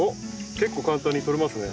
結構簡単に取れますね。